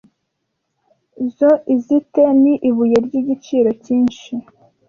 Zoisite ni ibuye ryigiciro cyinshi